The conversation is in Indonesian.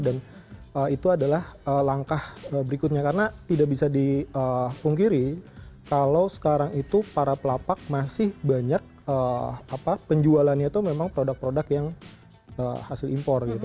dan itu adalah langkah berikutnya karena tidak bisa dipungkiri kalau sekarang itu para pelapak masih banyak apa penjualannya itu memang produk produk yang hasil impor gitu